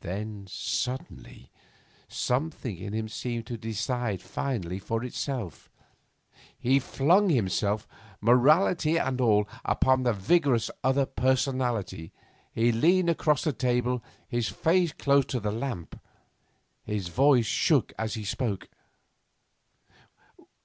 Then, suddenly, something in him seemed to decide finally for itself. He flung himself, morality and all, upon this vigorous other personality. He leaned across the table, his face close to the lamp. His voice shook as he spoke.